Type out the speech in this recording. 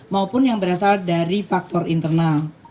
maupun yang berasal dari faktor internal